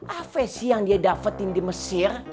apa sih yang dia dapetin di mesir